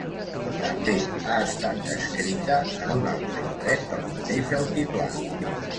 També ha estat descrita en un altre indret del mateix altiplà.